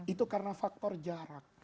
itu karena faktor jarak